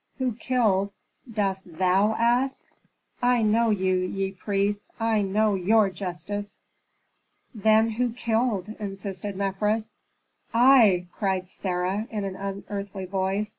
"Who killed, dost thou ask? I know you, ye priests! I know your justice." "Then who killed?" insisted Mefres. "I!" cried Sarah, in an unearthly voice.